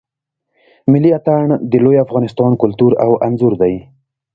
ملی آتڼ د لوی افغانستان کلتور او آنځور دی.